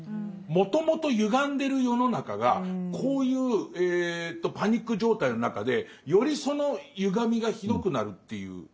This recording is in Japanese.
もともとゆがんでる世の中がこういうパニック状態の中でよりそのゆがみがひどくなるっていう。